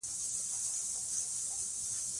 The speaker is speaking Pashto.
خشونت